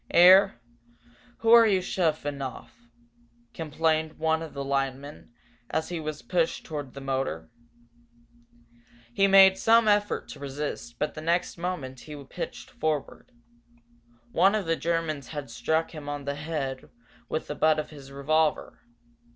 "'Ere, who are you a shovin' off?" complained one of the linemen, as he was pushed toward the motor. He made some effort to resist but the next moment he pitched forward. One of the Germans had struck him on the head with the butt of his revolver.